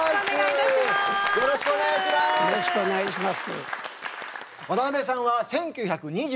よろしくお願いします。